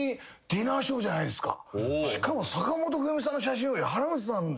しかも。